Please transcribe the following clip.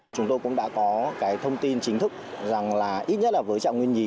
chúng tôi cũng đã có cái thông tin chính thức rằng là ít nhất là với trạng nguyên nhí